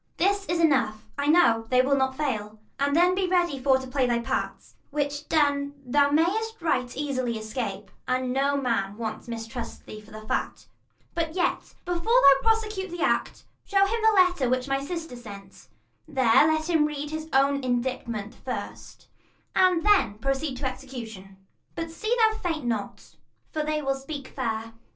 This is enough, I know, they will not fail, And then be ready for to play thy part : 45 Which done, thou may'st right easily escape, And no man once mistrust thee for the fact : Sc. vi]. HIS THREE DAUGHTERS 55 But yet, before thou prosecute the act, Shew him the letter, which my sister sent, There let him read his own indictment first, 50 And then proceed to execution : But see thou faint not ; for they will speak fair.